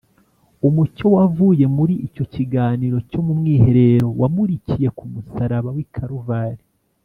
” Umucyo wavuye muri icyo kiganiro cyo mu mwiherero wamurikiye ku musaraba w’i Kaluvari